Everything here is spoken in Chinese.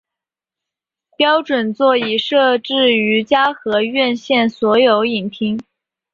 标准座椅设置于嘉禾院线所有影厅。